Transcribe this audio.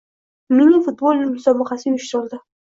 Mini futbol musobaqasi uyushtirildi